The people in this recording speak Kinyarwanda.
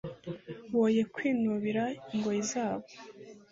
woye kwinubira ingoyi zabwo